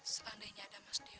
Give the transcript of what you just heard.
selandainya ada mas dio